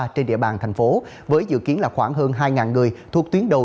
trên địa bàn thành phố với dự kiến là khoảng hơn hai người thuộc tuyến đầu